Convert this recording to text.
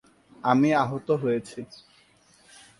আমি আহত হয়েছি।